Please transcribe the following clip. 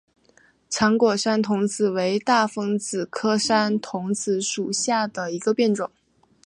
长果山桐子为大风子科山桐子属下的一个变种。